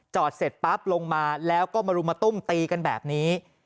เสร็จปั๊บลงมาแล้วก็มารุมมาตุ้มตีกันแบบนี้